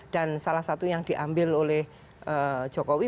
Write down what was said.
dan salah satu yang diambil oleh jokowi